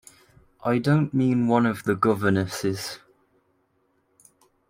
I don't mean one of the governesses.